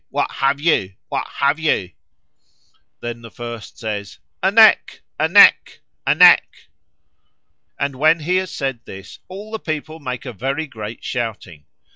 what have ye? what have ye?' Then the first says, 'A neck, a neck, a neck.' And when he has said this, all the people make a very great shouting.